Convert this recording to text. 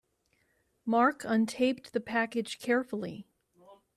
Mark untaped the package carefully.